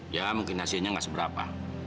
ya mungkin hasilnya nggak seberapa